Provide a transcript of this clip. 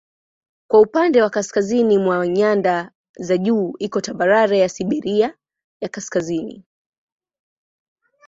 Kwa upande wa kaskazini mwa nyanda za juu iko tambarare ya Siberia ya Kaskazini.